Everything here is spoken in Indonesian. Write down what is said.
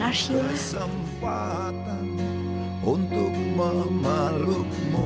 jadi kan sikap satu satunya romantika